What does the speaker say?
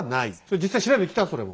実際調べてきたそれも。